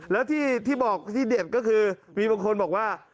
แล้วที่บอกที่เด็ดก็คือมีบางคนบอกว่า